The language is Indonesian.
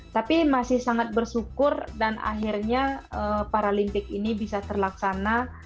tapi masih sangat bersyukur dan akhirnya paralimpik ini bisa terlaksana